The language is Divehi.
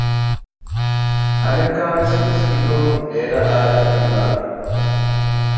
އަނެއްކާވެސް މިސްކިތުން އޭނާއާއި ދިމާވި